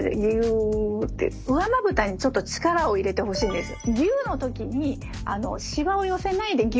上まぶたにちょっと力を入れてほしいんですよ。